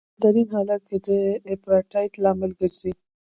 په بدترین حالت کې د اپارټایډ لامل ګرځي.